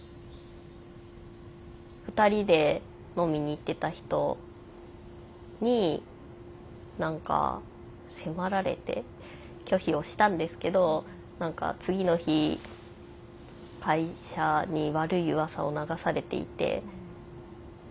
２人で飲みに行ってた人に何か迫られて拒否をしたんですけど何か次の日会社に悪いうわさを流されていて。